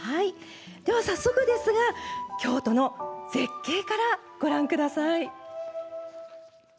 早速ですが京都の絶景からご覧ください。